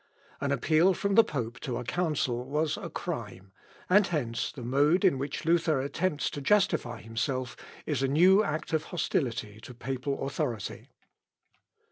An appeal from the pope to a council was a crime, and hence the mode in which Luther attempts to justify himself is a new act of hostility to papal authority.